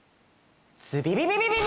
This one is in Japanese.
ズビビビビビビ！